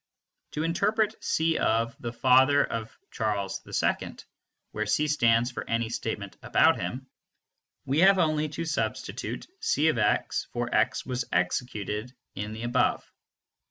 To interpret "C (the father of Charles II)," where C stands for any statement about him, we have only to substitute C (x) for "x was executed" in the above.